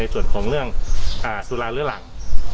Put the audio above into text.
ส่วนของเรื่องสุราเรื้อหลัง